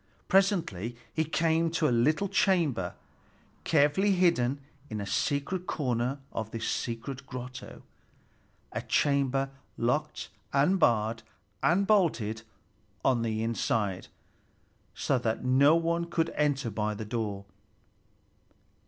Presently he came to a little chamber, carefully hidden in a secret corner of this secret grotto, a chamber locked and barred and bolted on the inside, so that no one could enter by the door.